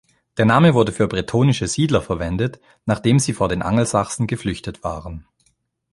Der Name wurde für bretonische Siedler verwendet, nachdem sie vor den Angelsachsen geflüchtet waren.